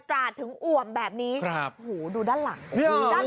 ตราดถึงอ่วมแบบนี้ครับโหดูด้านหลังนี่อ่ะด้านหลัง